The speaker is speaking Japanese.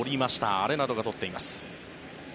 アレナドがとっています。